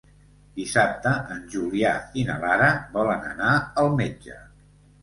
Dissabte en Julià i na Lara volen anar al metge.